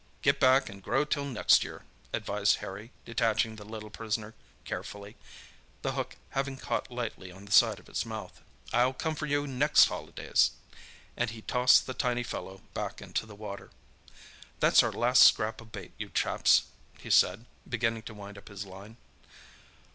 "Get back and grow till next year," advised Harry, detaching the little prisoner carefully, the hook having caught lightly in the side of its mouth. "I'll come for you next holidays!" and he tossed the tiny fellow back into the water. "That's our last scrap of bait, you chaps," he said, beginning to wind up his line.